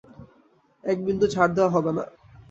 এক বিন্দু ছাড় দেওয়া হবে না।